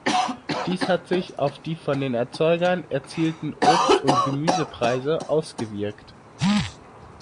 Dies hat sich auf die von den Erzeugern erzielten Obstund Gemüsepreise ausgewirkt.